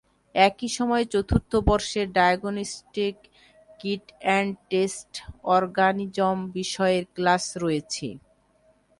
একই সময়ে চতুর্থ বর্ষের diagnostic kit and test organism বিষয়ের ক্লাস রয়েছে।